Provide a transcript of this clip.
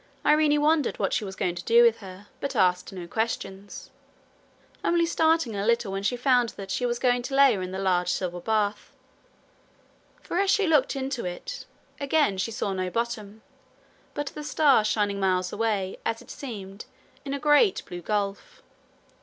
Irene wondered what she was going to do with her, but asked no questions only starting a little when she found that she was going to lay her in the large silver bath; for as she looked into it, again she saw no bottom, but the stars shining miles away, as it seemed, in a great blue gulf.